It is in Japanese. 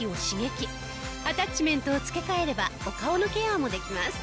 アタッチメントを付け替えればお顔のケアもできます。